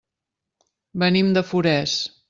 Venim de Forès.